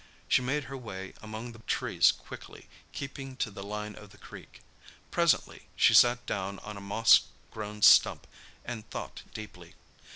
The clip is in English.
She made her way among the trees quickly, keeping to the line of the creek. Presently she sat down on a moss grown stump and thought deeply.